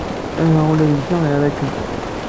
Ahat ula d netta ira-kem.